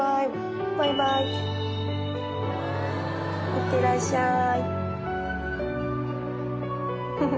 いってらっしゃい。